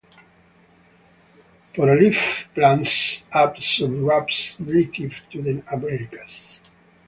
Poreleaf plants are subshrubs native to the Americas.